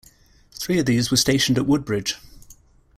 Three of these were stationed at Woodbridge.